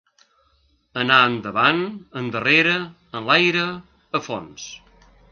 Anar endavant, endarrere, enlaire, a fons.